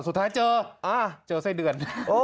สุดท้ายเจอเจอไส้เดือน